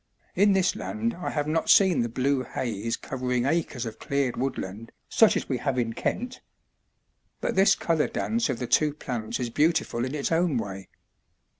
In this land I have not seen the blue haze covering acres of cleared woodland such as we have in Kent. But this colour dance of the two plants is beautiful in its own way.